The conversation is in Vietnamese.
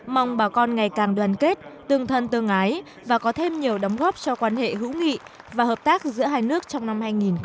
mong bà con ngày càng đoàn kết tương thân tương ái và có thêm nhiều đóng góp cho quan hệ hữu nghị và hợp tác giữa hai nước trong năm hai nghìn hai mươi